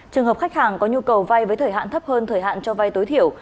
trường hợp khách hàng có nhu cầu vay với thời hạn thấp hơn thời hạn cho vay tối thiểu